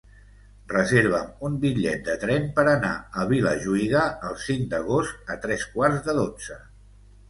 Reserva'm un bitllet de tren per anar a Vilajuïga el cinc d'agost a tres quarts de dotze.